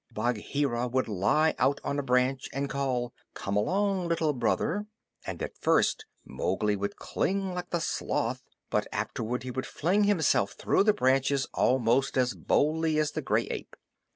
Bagheera would lie out on a branch and call, "Come along, Little Brother," and at first Mowgli would cling like the sloth, but afterward he would fling himself through the branches almost as boldly as the gray ape.